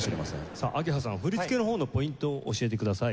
さあ鳳蝶さん振り付けの方のポイントを教えてください。